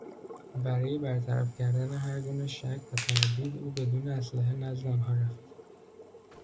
برای برطرف کردن هر گونه شک و تردید، او بدون اسلحه نزد آنها رفت.